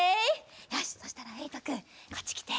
よしそしたらえいとくんこっちきて。